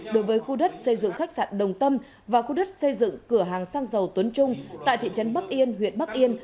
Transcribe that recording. đối với khu đất xây dựng khách sạn đồng tâm và khu đất xây dựng cửa hàng xăng dầu tuấn trung tại thị trấn bắc yên huyện bắc yên